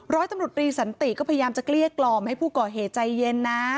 ร้อยตำรวจรีสันติก็พยายามจะเกลี้ยกล่อมให้ผู้ก่อเหตุใจเย็นนะ